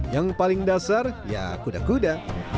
yang paling dasar ya kuda kuda